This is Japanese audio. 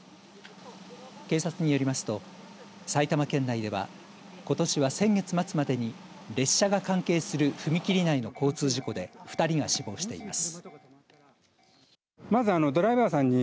警察によりますと埼玉県内では、ことしは先月末までに列車が関係する踏切内の交通事故で２人が死亡しています。